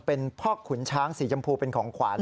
เป็นพอกขุนช้างสีจำพูเป็นของขวาน